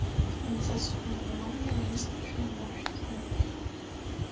Мы с особым вниманием выслушаем Ваше заявление.